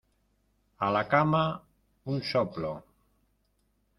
¡A la cama! un soplo.